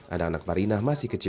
anak anak marinah masih kecil